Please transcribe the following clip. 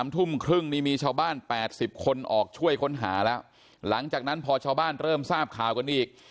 ทุ่มครึ่งนี่มีชาวบ้าน๘๐คนออกช่วยค้นหาแล้วหลังจากนั้นพอชาวบ้านเริ่มทราบข่าวกันอีก